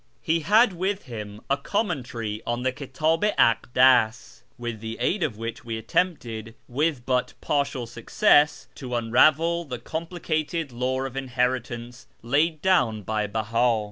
He had with him a commentary on the Kitdh i Akdas, with the aid of which we attempted, with but partial success, to unravel the complicated law of inherit ance laid down by Beha.